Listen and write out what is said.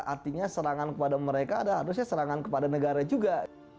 artinya serangan kepada mereka ada harusnya serangan kepada negara juga